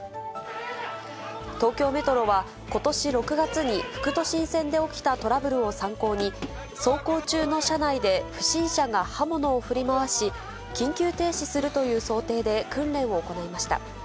東京メトロは、ことし６月に副都心線で起きたトラブルを参考に、走行中の車内で不審者が刃物を振り回し、緊急停止するという想定で訓練を行いました。